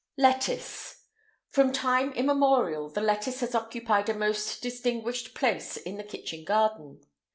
LETTUCE. From time immemorial the lettuce has occupied a most distinguished place in the kitchen garden.